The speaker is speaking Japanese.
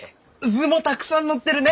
図もたくさん載ってるね！